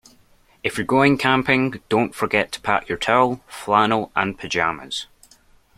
If you're going camping, don't forget to pack your towel, flannel, and pyjamas